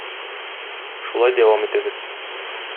Шулай дәвам итегез!